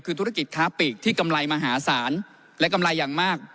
คือธุรกิจค้าปีกที่กำไรมหาศาลและกำไรอย่างมาก